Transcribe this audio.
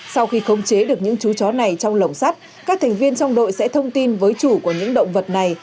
sau khi khống chế được những chú chó này trong lồng sắt các thành viên trong đội sẽ thông tin với chủ của những động vật này